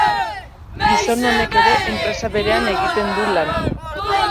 Gizon honek ere enpresa berean egiten du lan.